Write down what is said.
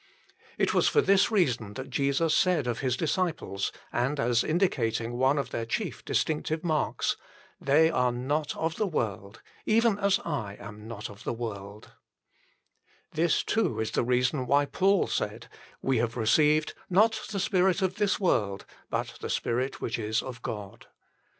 It was for this reason that Jesus said of His disciples, and as indicating one of their chief distinctive marks :" They are not of the world, even as I am not of the world." l This, too, is the reason why Paul said :" We have received, not the spirit of this world, but the Spirit which is of 1 John xvii. 16. 54 THE FULL BLESSING OF PENTECOST God."